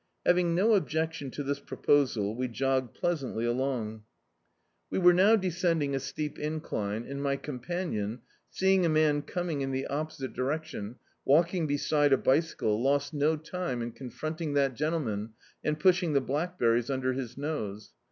Hav ing no objection to this proposal we jogged pleas antly along. Dictzed by Google The Autobiography of a Super Tramp We were now descending a steep incline and my companion, seeing a man coming in the opposite direction, walking beside a bicycle, lost no time in c<mfronting that gentleman and pushing the black berries under his nose.